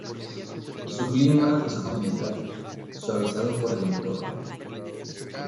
Su clima es continental, suavizado por el entorno.